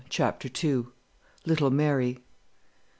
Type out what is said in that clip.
CHAPTER II. LITTLE MARY.